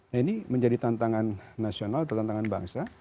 nah ini menjadi tantangan nasional atau tantangan bangsa